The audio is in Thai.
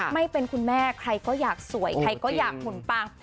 ไม่เป็นคุณแม่ใครก็อยากสวยใครก็อยากหุ่นปัง